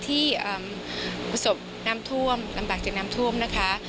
ที่ประสบน้ำท่วมลำบากจากน้ำท่วมนะคะ